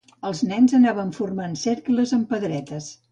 Els nens anaven formant cercles amb pedretes.